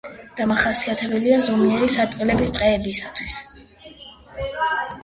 დამახასიათებელია ზომიერი სარტყლების ტყეებისათვის.